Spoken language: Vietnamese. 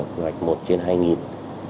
quy hoạch một trên hai nghìn